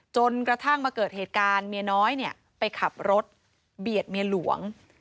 จนกระทั่งมาเกิดเหตุการณ์เมียน้อยไปขับรถเบียดเมียหลวง